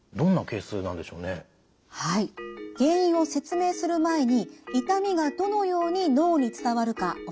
原因を説明する前に痛みがどのように脳に伝わるかお話しします。